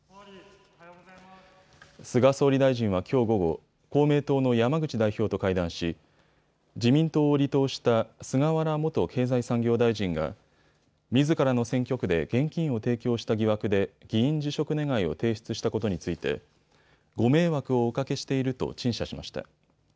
菅総理大臣はきょう午後、公明党の山口代表と会談し自民党を離党した菅原元経済産業大臣がみずからの選挙区で現金を提供した疑惑で議員辞職願を提出したことについてご迷惑をおかけしていると陳謝しました。